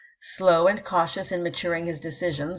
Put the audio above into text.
Slow and cautious in maturing his decisions.